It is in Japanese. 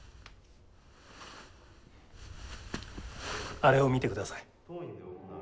あれを見てください。